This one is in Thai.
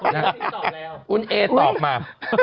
คุณเอ๊ตอบมา